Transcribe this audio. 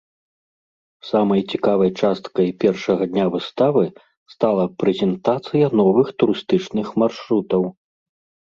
Самай цікавай часткай першага дня выставы стала прэзентацыя новых турыстычных маршрутаў.